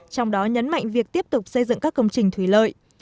trong đó nhấn mạnh việc tiếp tục xây dựng các công trình thủy lợi